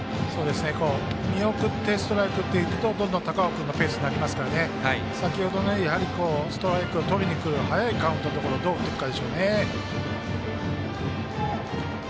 見送ってストライクになるとどんどん高尾君のペースになりますから先ほどのようにストライクをとりにくる早いカウントのところどう打つかですね。